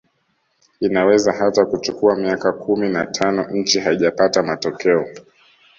Inaweza hata kuchukua miaka kumi na tano nchi haijapata matokeo